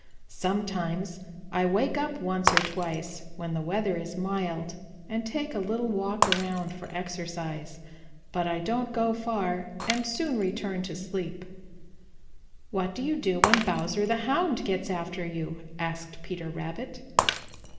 Sometimes I wake up once or twice, when the weather is mild, and take a little walk around for exercise. But I don't go far and soon return to sleep." "What do you do when Bowser the Hound gets after you?" asked Peter Rabbit.